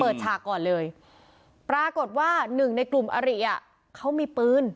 ฉากก่อนเลยปรากฏว่าหนึ่งในกลุ่มอริอ่ะเขามีปืน